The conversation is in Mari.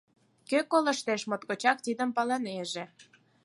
Кӧ колыштеш, моткочак тидым палынеже.